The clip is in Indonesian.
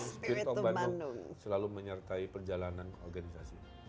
spirit of bandung selalu menyertai perjalanan organisasi